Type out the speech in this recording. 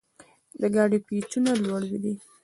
د ګاډي پېچونه لوړ دي.